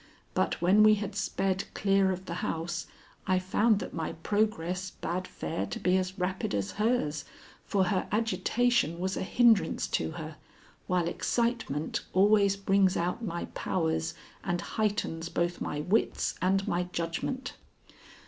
But when we had sped clear of the house I found that my progress bade fair to be as rapid as hers, for her agitation was a hindrance to her, while excitement always brings out my powers and heightens both my wits and my judgment.